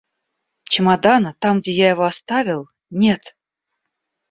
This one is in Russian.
Чемодана, там, где я его оставил, нет.